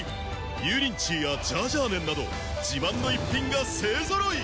油淋鶏やジャージャー麺など自慢の逸品が勢揃い！